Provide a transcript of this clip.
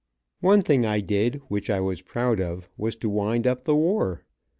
One thing I did, which I was proud of, was to wind up the war.